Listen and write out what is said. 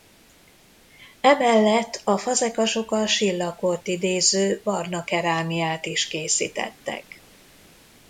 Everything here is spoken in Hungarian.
Emellett a fazekasok a Silla kort idéző barna kerámiát is készítettek.